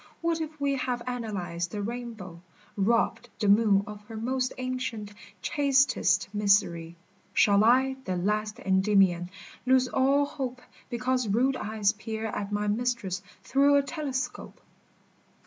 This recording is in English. what if we Have analyzed the rainbow, robbed the moon Of her most ancient, chastest mystery, Shall I, the last Endymion, lose all hope Because rude eyes peer at my mistress through a telescope